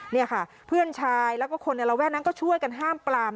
นี่ค่ะเพื่อนชายแล้วก็คนในระแวกนั้นก็ช่วยกันห้ามปลาม